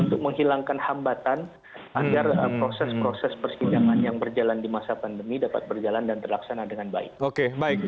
untuk menghilangkan hambatan agar proses proses persidangan yang berjalan di masa pandemi dapat berjalan dan terlaksana dengan baik